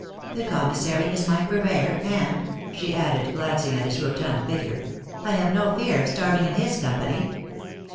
The commissary is my purveyor, and " she added, glancing at his rotund figure, " I have no fear of starving in his company.